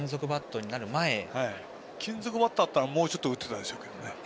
金属バットだったらもうちょっと打っていたでしょう